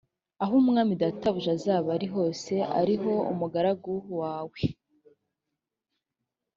aho umwami databuja azaba ari hose ari ho umugaragu wawe